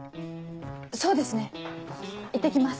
そうですねいってきます。